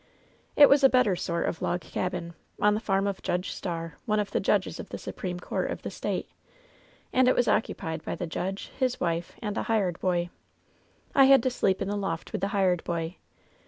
It was a better sort of log cabin, on the farm of Judge Starr, one of the judges of the Supreme Court of the State ; and it was occupied by the judge, his wife and a hired boy. I had to sleep in the loft with the hired boy.